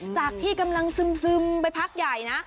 จากที่กำลังซึมไปพักใหญ่นะ